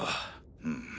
うん。